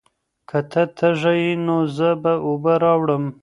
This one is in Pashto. که ته تږی یې، نو زه به اوبه راوړم.